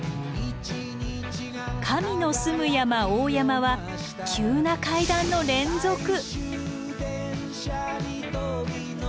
神の住む山大山は急な階段の連続！